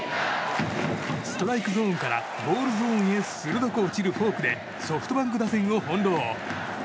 ストライクゾーンからボールゾーンへ鋭く落ちるフォークでソフトバンク打線を翻弄。